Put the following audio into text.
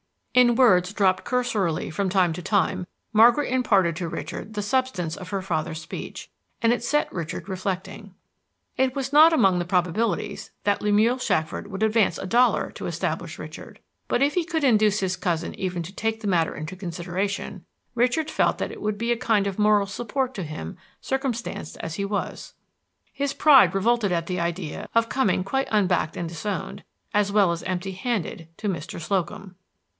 In words dropped cursorily from time to time, Margaret imparted to Richard the substance of her father's speech, and it set Richard reflecting. It was not among the probabilities that Lemuel Shackford would advance a dollar to establish Richard, but if he could induce his cousin even to take the matter into consideration, Richard felt that it would be a kind of moral support to him circumstanced as he was. His pride revolted at the idea of coming quite unbacked and disowned, as well as empty handed, to Mr. Slocum.